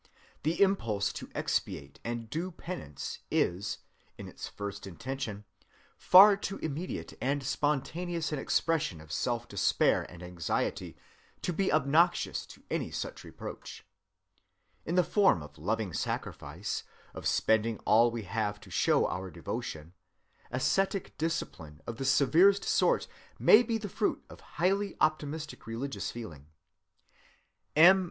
The impulse to expiate and do penance is, in its first intention, far too immediate and spontaneous an expression of self‐despair and anxiety to be obnoxious to any such reproach. In the form of loving sacrifice, of spending all we have to show our devotion, ascetic discipline of the severest sort may be the fruit of highly optimistic religious feeling. M.